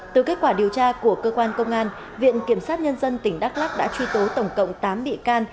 từ kết quả điều tra của cơ quan công an viện kiểm sát nhân dân tỉnh đắk lắc đã truy tố tổng cộng tám bị can